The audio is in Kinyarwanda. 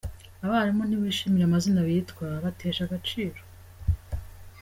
Abarimu ntibishimira amazina bitwa abatesha agaciro